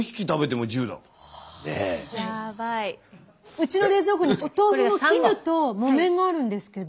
うちの冷蔵庫にお豆腐の絹と木綿があるんですけど。